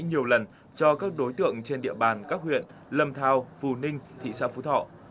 nhiều lần cho các đối tượng trên địa bàn các huyện lâm thao phù ninh thị xã phú thọ